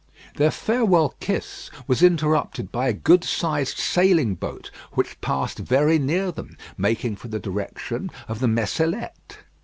Their farewell kiss was interrupted by a good sized sailing boat which passed very near them, making for the direction of the Messellettes.